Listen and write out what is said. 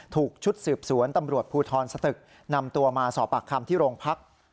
ถูกชุดสืบสวนตำรวจภูทรสตึกนำตัวมาสอบปากคำที่โรงพัก